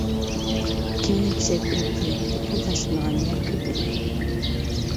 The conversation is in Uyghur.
كىيىم- كېچەك ئېلىپ كىيەتتى... پۇل خەجلىنىدىغان يەر كۆپ ئىدى.